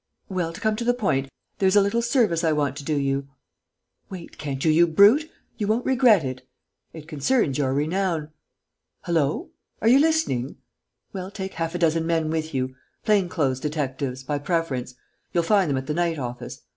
Well, to come to the point, there's a little service I want to do you.... Wait, can't you, you brute?... You won't regret it.... It concerns your renown.... Hullo!... Are you listening?... Well, take half a dozen men with you ... plain clothes detectives, by preference: you'll find them at the night office....